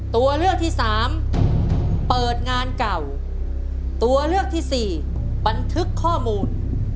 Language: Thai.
ตัวเลือกที่สามเปิดงานเก่าตัวเลือกที่สี่บันทึกข้อมูล